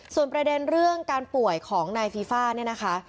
ส่วนประเด็นเรื่องการป่วยของนายฟีฟ่าเนี่ยนะคะ